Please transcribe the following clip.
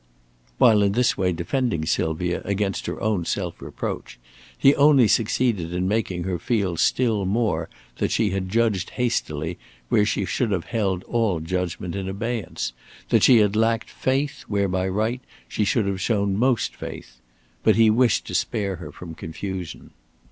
While in this way defending Sylvia against her own self reproach, he only succeeded in making her feel still more that she had judged hastily where she should have held all judgment in abeyance, that she had lacked faith where by right she should have shown most faith. But he wished to spare her from confusion.